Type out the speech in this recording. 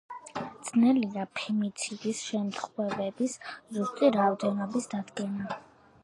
ძნელია ფემიციდის შემთხვევების ზუსტი რაოდენობის დადგენა.